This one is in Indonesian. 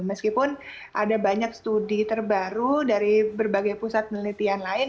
meskipun ada banyak studi terbaru dari berbagai pusat penelitian lain